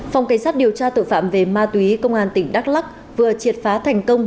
phòng cảnh sát điều tra tội phạm về ma túy công an tỉnh đắk lắc vừa triệt phá thành công